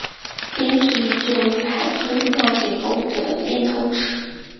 胭脂鱼只有一排梳子状结构的咽头齿。